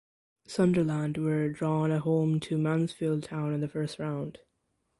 Sunderland were drawn at home to Mansfield Town in the first round.